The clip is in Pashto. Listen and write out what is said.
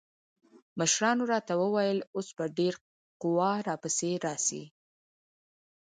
مشرانو راته وويل اوس به ډېره قوا را پسې راسي.